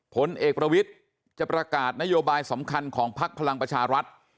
ผลเอกประวิทย์จะประกาศนโยบายสำคัญของพักพลังประชารัฐ